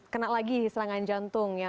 kena lagi serangan jantung ya